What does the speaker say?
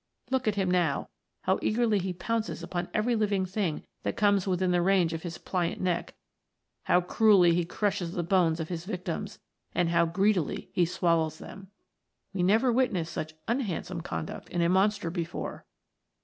Look at him now, how eagerly he pounces upon every living thing that comes within the range of his pliant neck, how cruelly he crushes the bones of his victims, and how greedily he swallows them ! We never witnessed such unhandsome conduct in a monster before.